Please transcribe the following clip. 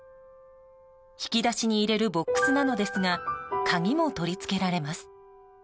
引き出しに入れるボックスなのですが鍵も取り付けられます。